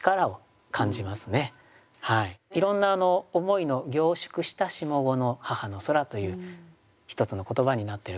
いろんな思いの凝縮した下五の「母の空」という一つの言葉になってるかなと思いました。